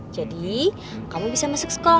jadi kamu bisa masuk sekolah lagi